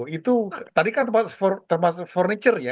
itu tadi kan termasuk furniture ya